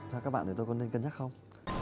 theo các bạn thì tôi có nên cân nhắc không